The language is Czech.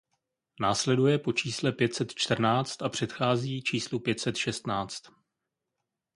Následuje po čísle pět set čtrnáct a předchází číslu pět set šestnáct.